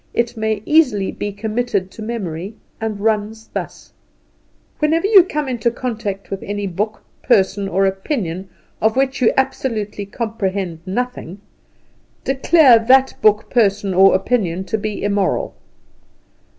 It may easily be committed to memory and runs thus: Whenever you come into contact with any book, person, or opinion of which you absolutely comprehend nothing, declare that book, person or opinion to be immoral.